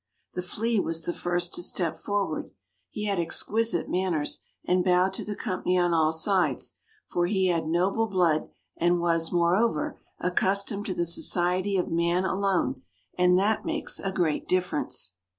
The Flea was the first to step forward. He had exquisite manners, and bowed to the company on all sides; for he had noble blood, and was, moreover, accustomed to the society of man alone; and that makes a great difference.